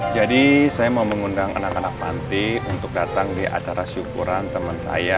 jadi saya mau mengundang anak anak panti untuk datang di acara syukuran temen temen saya